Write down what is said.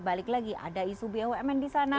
balik lagi ada isu bumn di sana